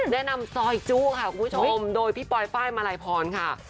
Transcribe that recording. แนะนำซอยจู้ค่ะคุณผู้ชมโดยพี่ปอยป้ายมาลัยพรค่ะ